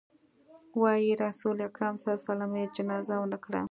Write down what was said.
وايي رسول اکرم ص يې جنازه ونه کړه.